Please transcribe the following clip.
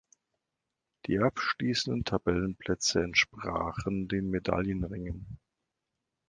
Die abschließenden Tabellenplätze entsprachen dem Medaillenrängen.